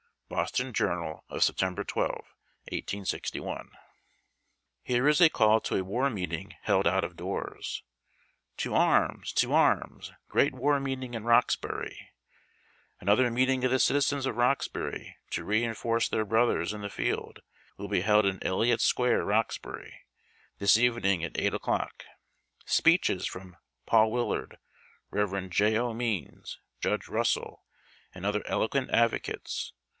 [Boston Journal of Sept. 12, 1861.] ENLISTING. 37 Here is a call to a war meeting held out of doors :— TO ARMS ! TO ARMS I ! GREAT WAR MEETING IN ROXBURY. Anotlier meeting of the citizens of Roxbury, to re enforce their brothers in the Held, will be held in ELIOT SQUARE, ROXBURY, THIS EVENINGS ^T EI&HT O'CLOCK. SPEECHES FROM Paul Willard, Rev. J. O. Means, Judge Russell, And other eloquent advocates.